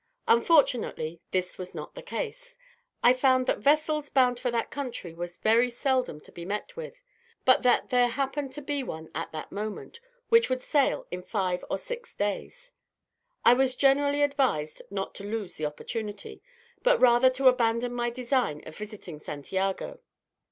Unfortunately this was not the case. I found that vessels bound to that country were very seldom to be met with, but that there happened to be one at that moment, which would sail in five or six days. I was generally advised not to lose the opportunity, but rather to abandon my design of visiting Santiago.